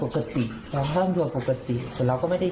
คิดว่าจะเหยียบการใช่